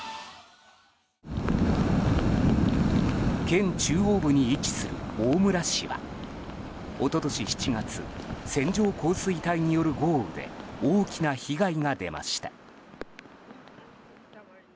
県中央部に位置する大村市は一昨年７月線状降水帯による豪雨で大きな被害が出ました。